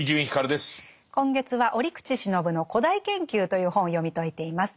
今月は折口信夫の「古代研究」という本を読み解いています。